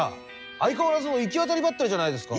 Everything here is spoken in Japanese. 相変わらずの行き当たりばったりじゃないですか！